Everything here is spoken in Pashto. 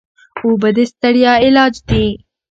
اوبه د ستړیا علاج دي.